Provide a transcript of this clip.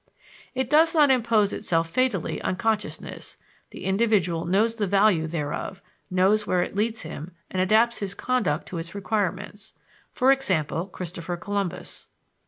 It does not impose itself fatally on consciousness; the individual knows the value thereof, knows where it leads him, and adapts his conduct to its requirements. For example, Christopher Columbus.